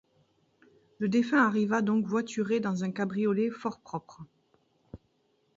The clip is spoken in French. Le défunt arriva donc voituré dans un cabriolet fort propre.